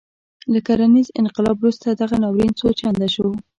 له کرنیز انقلاب وروسته دغه ناورین څو چنده شو.